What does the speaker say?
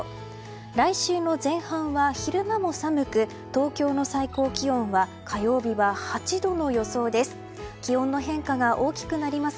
来週の前半は昼間も寒く東京の最高気温は火曜日は８度の予想です。